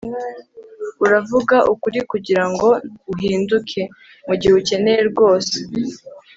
uravuga ukuri kugirango uhinduke, mugihe ukeneye rwose